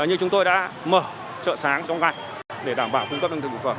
như chúng tôi đã mở chợ sáng trong ngày để đảm bảo cung cấp nương thực thực phẩm